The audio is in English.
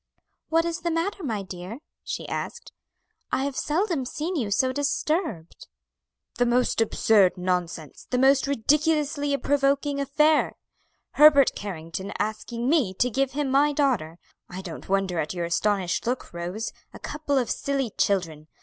"What is the matter, my dear?" she asked; "I have seldom seen you so disturbed." "The most absurd nonsense! the most ridiculously provoking affair! Herbert Carrington asking me to give him my daughter! I don't wonder at your astonished look, Rose; a couple of silly children.